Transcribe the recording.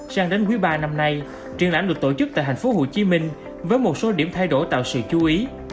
sang đến quý ba năm nay triển lãm được tổ chức tại thành phố hồ chí minh với một số điểm thay đổi tạo sự chú ý